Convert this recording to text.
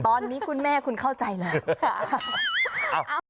ตอนนี้คุณแม่คุณเข้าใจแล้ว